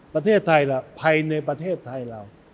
ประเทศไทยเราภายในประเทศไทยเรา